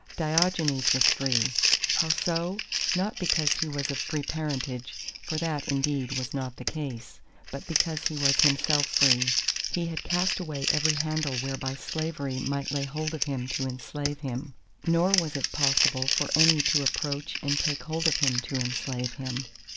Diogenes was free. How so? Not because he was of free parentage (for that, indeed, was not the case), but because he was himself free. He had cast away every handle whereby slavery might lay hold of him to enslave him, nor was it possible for any to approach and take hold of him to enslave him.